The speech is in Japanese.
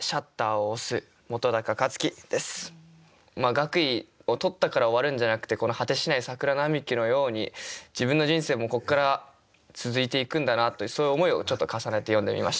学位を取ったから終わるんじゃなくてこの果てしない桜並木のように自分の人生もここから続いていくんだなというそういう思いを重ねて詠んでみました。